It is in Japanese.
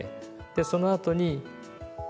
でそのあとに開く。